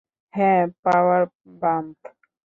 হ্যাঁ, power bump.